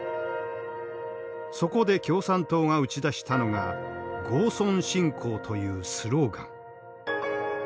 そこで共産党が打ち出したのが郷村振興というスローガン。